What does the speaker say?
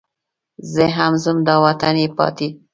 زه هم ځم دا وطن یې پاتې.